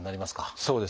そうですね。